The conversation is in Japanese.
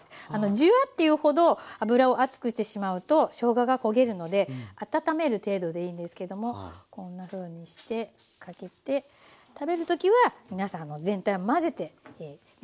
ジュワッていうほど油を熱くしてしまうとしょうがが焦げるので温める程度でいいんですけどもこんなふうにしてかけて食べる時は皆さん全体を混ぜて召し上がって頂ければと思います。